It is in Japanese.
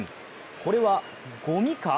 これはごみか？